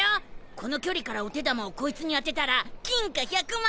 この距離からお手玉をこいつに当てたら金貨１００枚！